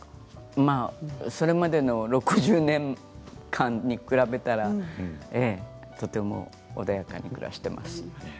まあそれまでの６０年間に比べたらとても穏やかに暮らしています。